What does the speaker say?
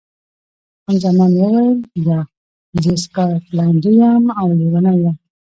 خان زمان وویل، یا، زه سکاټلنډۍ یم او لیونۍ یم.